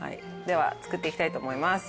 では作っていきたいと思います。